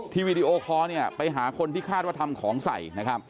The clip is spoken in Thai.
ที่วิดีโอคอล์ไปหาคนที่คาดว่าทำของใส่